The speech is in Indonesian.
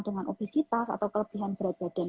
dengan obesitas atau kelebihan berat badan